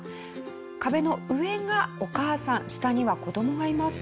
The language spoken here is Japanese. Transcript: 壁の上がお母さん下には子どもがいます。